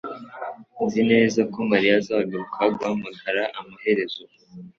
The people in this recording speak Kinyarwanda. Nzi neza ko mariya azagaruka guhamagara amaherezo